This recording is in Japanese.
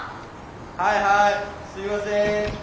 はいはいすいません。